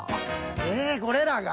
えこれらが？